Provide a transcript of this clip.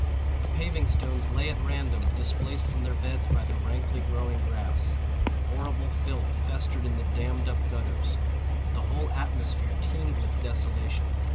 The paving stones lay at random, displaced from their beds by the rankly growing grass. Horrible filth festered in the dammed up gutters. The whole atmosphere teemed with desolation.